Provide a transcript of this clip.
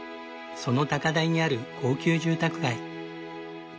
その高台にある高級住宅街。